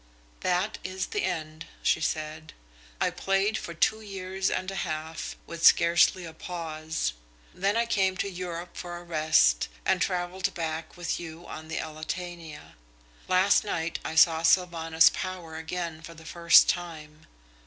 "That is the end," she said. "I played for two years and a half, with scarcely a pause. Then I came to Europe for a rest and travelled back with you on the Elletania. Last night I saw Sylvanus Power again for the first time.